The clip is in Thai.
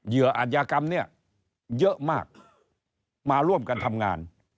เหยื่ออัธิกรรมเนี่ยเยอะมากและมาร่วมกันทำงาน